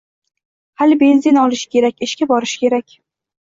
Hali benzin olish kerak, ishga borish kerak.